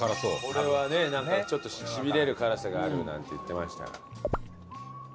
これはねなんかちょっとしびれる辛さがあるなんて言ってましたが。